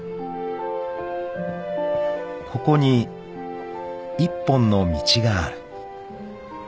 ［ここに１本の道がある］